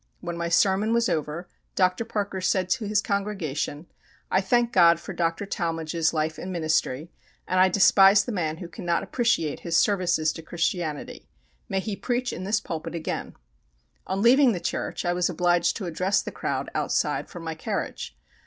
When my sermon was over, Dr. Parker said to his congregation: "I thank God for Dr. Talmage's life and ministry, and I despise the man who cannot appreciate his services to Christianity. May he preach in this pulpit again!" On leaving his church I was obliged to address the crowd outside from my carriage.